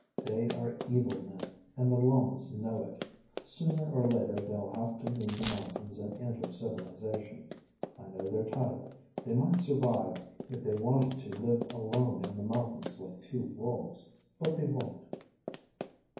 They are evil men, and the lamas know it. Sooner or later, they'll have to leave the mountains and enter civilization. I know their type. They might survive if they wanted to live alone in the mountains like two wolves. But they won't."